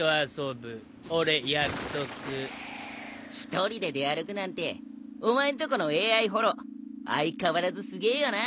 １人で出歩くなんてお前んとこの ＡＩ ホロ相変わらずすげえよな！